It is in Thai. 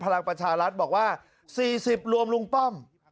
พลังประชารัฐบอกว่า๔๐รวมลุงป้อม